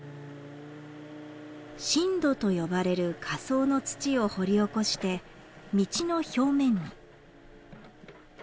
心土と呼ばれる下層の土を掘り起こして道の表面に。